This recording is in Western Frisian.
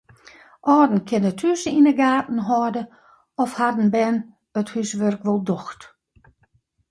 Alden kinne thús yn de gaten hâlde oft harren bern it húswurk wol docht.